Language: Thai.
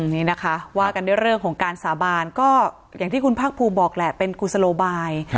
นี่นะคะว่ากันด้วยเรื่องของการสาบานก็อย่างที่คุณภาคภูมิบอกแหละเป็นกุศโลบาย